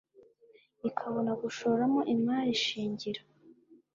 ikabona gushoramo imari shingiro